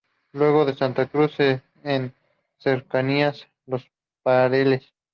Luego en Santa Cruz, en cercanías a Los Perales.